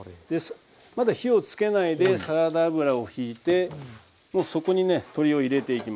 まだ火をつけないでサラダ油をひいてもうそこにね鶏を入れていきます。